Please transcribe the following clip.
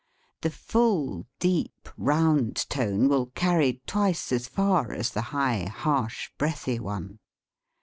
The full, deep, round tone will carry twice as far as the' high, harsh, breathy one.